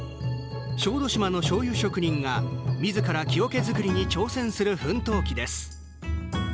小豆島のしょうゆ職人がみずから木おけづくりに挑戦する奮闘記です。